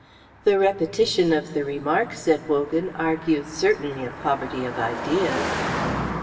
"The repetition of the remark," said Wogan, "argues certainly a poverty of ideas."